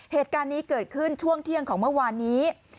เหตุการณ์นี้เกิดขึ้นช่วงเที่ยงของเมื่อวานนี้